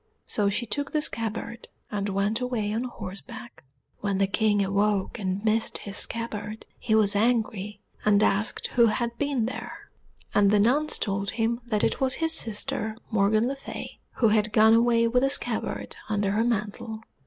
So she took the scabbard, and went away on horseback. When the King awoke and missed his scabbard, he was angry, and asked who had been there; and the nuns told him that it was his sister Morgan le Fay, who had gone away with a scabbard under her mantle.